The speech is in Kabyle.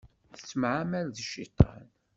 Tettemεamal d cciṭan.